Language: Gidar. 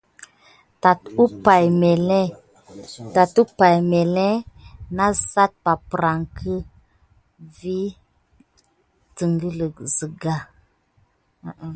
Tane umpay məlé naŋ zate peppreŋ tabas kisime siga.